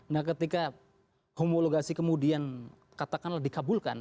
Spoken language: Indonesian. nah ketika homologasi kemudian katakanlah dikabulkan